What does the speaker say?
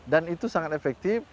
dan itu sangat efektif